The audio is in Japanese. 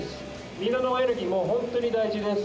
みんなのエネルギーも本当に大事です。